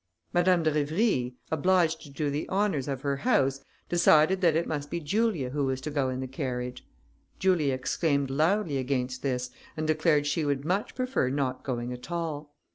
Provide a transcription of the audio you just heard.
Madame de Rivry, obliged to do the honours of her house, decided that it must be Julia who was to go in the carriage. Julia exclaimed loudly against this, and declared she would much prefer not going at all.